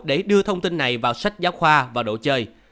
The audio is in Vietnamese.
để đưa thông tin này vào sách giáo khoa và đồ chơi